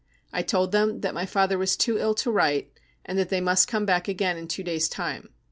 I told them that my father was too ill to write, and that they must come back again in two days' time.